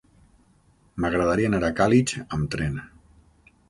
M'agradaria anar a Càlig amb tren.